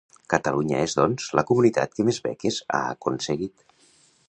Catalunya és, doncs, la comunitat que més beques ha aconseguit.